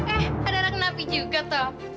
eh ada anak nabi juga tom